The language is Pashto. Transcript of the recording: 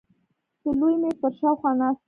د لوی مېز پر شاوخوا ناست وو.